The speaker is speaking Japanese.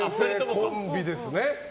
コンビですね。